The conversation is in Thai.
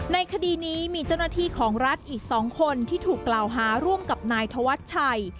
ในคดีนี้มีเจ้าหน้าที่ของรัฐอีก๒คนที่ถูกกล่าวหาร่วมกับนายธวัชชัย